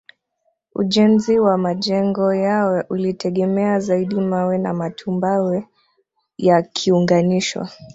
Ujenzi wa majengo yao ulitegemea zaidi mawe na matumbawe yakiunganishwa